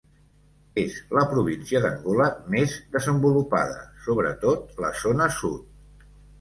És la província d'Angola més desenvolupada, sobretot la zona sud.